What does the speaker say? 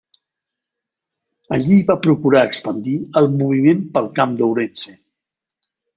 Allí va procurar expandir el moviment pel camp d'Ourense.